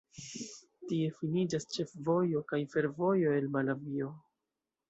Tie finiĝas ĉefvojo kaj fervojo el Malavio.